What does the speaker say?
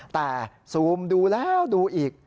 แต่ซูมดูแล้วดูอีก